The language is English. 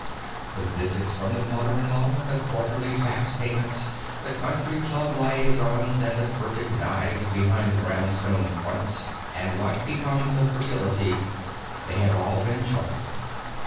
The visits from the mothers in law, the quarterly tax payments, the country club liaisons and the furtive knives behind the brownstone fronts and what becomes of fertility—they have all been charted.